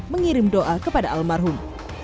mengirim doa kepada almarhum